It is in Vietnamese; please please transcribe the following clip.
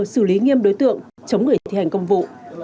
xử lý nghiêm đối tượng chống người thi hành công vụ